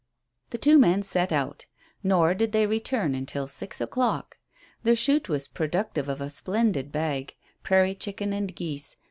The two men set out. Nor did they return until six o'clock. Their shoot was productive of a splendid bag prairie chicken and geese.